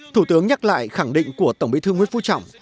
thủ tướng nhắc lại khẳng định của tổng bí thư nguyễn phú trọng